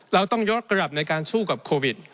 เราต้องยกระดับในการสู้กับโควิด